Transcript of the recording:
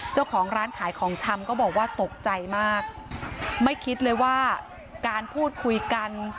เจ้าของร้านขายของชำก็บอกว่าตกใจมากไม่คิดเลยว่าการพูดคุยกัน